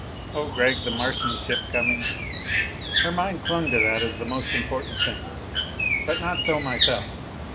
"Oh Gregg! The Martian ship coming!" Her mind clung to that as the most important thing. But not so myself.